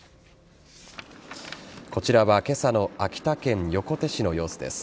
こちらは今朝の秋田県横手市の様子です。